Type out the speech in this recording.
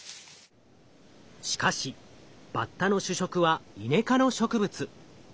しかしバッタの主食はイネ科の植物。